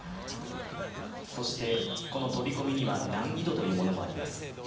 そしてこの飛び込みには難易度というものもあります。